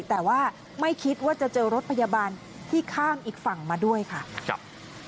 แต่ว่าไม่คิดว่าจะเจอรถพยาบาลที่ข้ามอีกฝั่งมาด้วยค่ะครับ